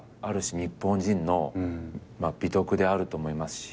日本人の美徳であると思いますし。